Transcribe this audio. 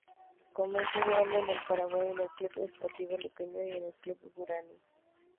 Comenzó jugando en Paraguay en el Club Sportivo Luqueño y en el Club Guaraní.